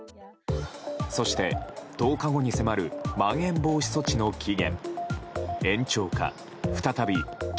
そして、１０日後に迫るまん延防止措置の期限。